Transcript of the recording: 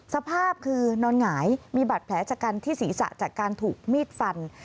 สภาพคือนอนหงายมีบัตรแผลชะกันที่ศีรษะจากการถูกมีดฟัน